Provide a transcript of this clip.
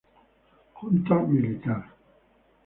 Junta Militar.